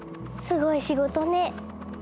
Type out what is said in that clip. すごい仕事ね。